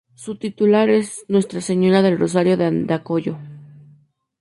Su titular es nuestra Señora del Rosario de Andacollo.